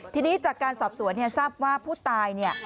ทีนี้จากการสอบสวนเนี่ยทราบว่าผู้ตายเนี่ย